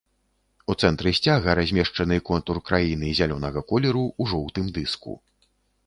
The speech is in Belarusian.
У цэнтры сцяга размешчаны контур краіны зялёнага колеру ў жоўтым дыску.